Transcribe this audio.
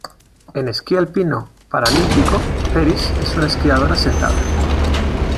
En esquí alpino paralímpico, Peris es una esquiadora sentada.